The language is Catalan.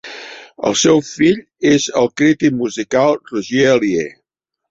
El seu fill és el crític musical Roger Alier.